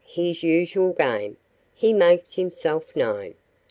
His usual game. He makes himself known.